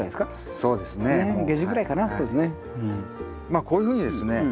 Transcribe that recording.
まあこういうふうにですね